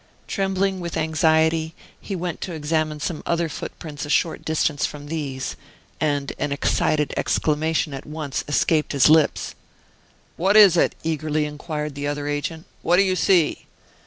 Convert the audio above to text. Trembling with anxiety, he went to examine some other footprints a short distance from these; and an excited exclamation at once escaped his lips. "What is it?" eagerly inquired the other agent: "what do you see?"